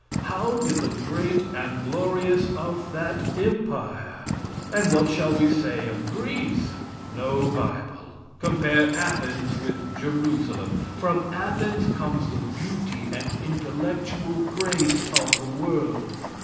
How did the great and glorious of that empire? And what shall we say of Greece? No bible. Compare Athens with Jerusalem. From Athens comes the beauty and intellectual grace of the world.